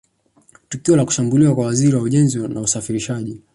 Tukio la kushambuliwa kwa Waziri wa Ujenzi na Usafirishaji